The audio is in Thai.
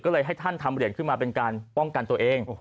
ก็เลยให้ท่านทำเหรียญขึ้นมาเป็นการป้องกันตัวเอง